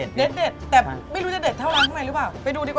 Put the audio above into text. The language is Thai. แต่ไม่รู้จะเด็ดเท่าร้านข้างในหรือเปล่า